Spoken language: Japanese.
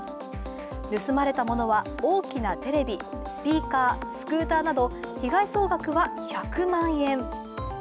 盗まれたものは大きなテレビ、スピーカー、スクーターなど被害総額は１００万円。